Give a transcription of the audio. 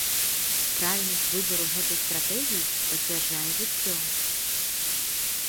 Правільнасць выбару гэтай стратэгіі пацвярджае жыццё.